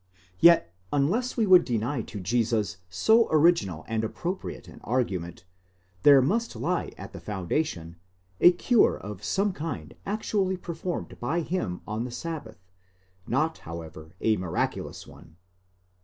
Yet, unless we would deny to Jesus so original and appropriate an argument, there must lie at the foundation a cure of some kind actually performed by him on the sabbath ; not, however, a miraculous one.